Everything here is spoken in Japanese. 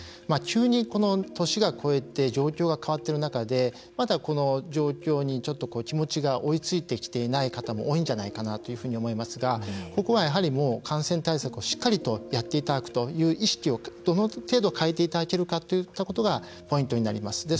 急に年が越えて状況が変わってる中でまだこの状況にちょっと気持ちが追いついてきていない方も多いんじゃないかなというふうに思いますがここはやはりもう感染対策をしっかりとやっていただくという意識をどの程度変えていただけるかといったことがポイントになります。